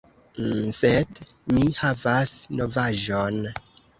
... Sed mi havas novaĵon